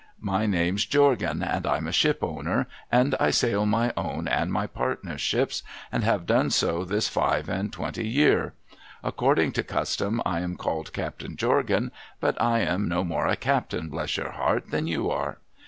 My name's Jorgan, and Pm a ship ov. ner, and I sail my own and my partners' ships, and have done so this five and twenty year. According to custom A DEVONSHIRE BEAUTY 229 I am called Captain Jorgan, but I am no more a captain, bless your heart ! than you are.'